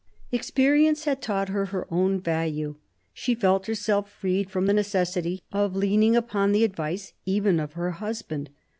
Experience had taught her her own value; she felt herself freed from the necessity of leaning upon the advice even of her husband.